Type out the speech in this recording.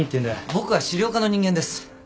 僕は資料課の人間です。